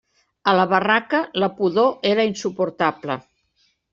A la barraca la pudor era insuportable.